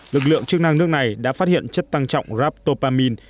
lực lượng chức năng nước này đã phát hiện chất tăng trọng rapopamin